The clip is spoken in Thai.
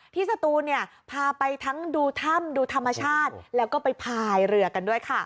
สตูนเนี่ยพาไปทั้งดูถ้ำดูธรรมชาติแล้วก็ไปพายเรือกันด้วยค่ะ